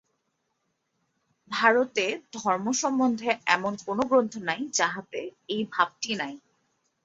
ভারতে ধর্ম সম্বন্ধে এমন কোন গ্রন্থ নাই, যাহাতে এই ভাবটি নাই।